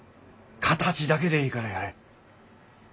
形だけでいいからやれ。